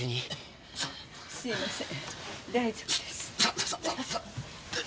すいません。